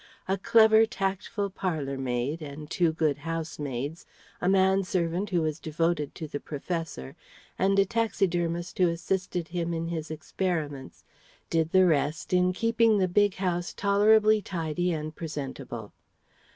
A clever, tactful parlour maid and two good housemaids, a manservant who was devoted to the "professor" and a taxidermist who assisted him in his experiments did the rest in keeping the big house tolerably tidy and presentable.